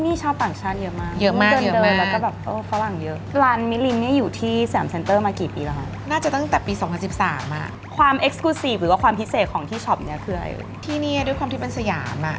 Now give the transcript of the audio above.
มันก็จะมีทั้งวันอยู่แล้ว